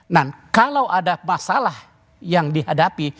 nah kalau ada masalah yang dihadapi